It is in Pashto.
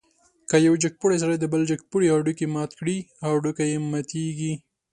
که یو جګپوړی سړی د بل جګپوړي هډوکی مات کړي، هډوکی یې ماتېږي.